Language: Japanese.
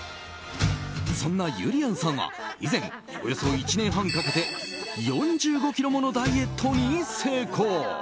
そんなゆりやんさんは以前、およそ１年半かけて４５ｋｇものダイエットに成功。